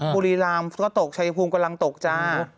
บุรีรามก็ตกชายภูมิกำลังตกจ้า